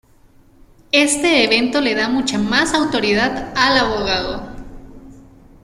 Este evento le da mucha más autoridad al abogado.